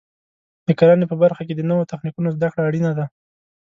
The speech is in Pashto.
د کرنې په برخه کې د نوو تخنیکونو زده کړه اړینه ده.